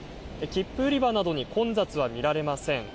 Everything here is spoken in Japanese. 切符売り場などに混雑は見られません。